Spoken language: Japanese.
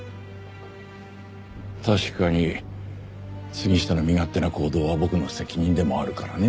確かに杉下の身勝手な行動は僕の責任でもあるからね。